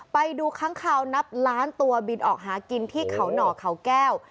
ไปดูค้างคาวนับล้านตัวบินออกหากินที่เขาหน่อเขาแก้ว